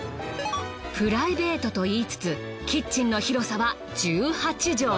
プライベートと言いつつキッチンの広さは１８畳。